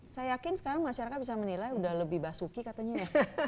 saya yakin sekarang masyarakat bisa menilai udah lebih basuki katanya ya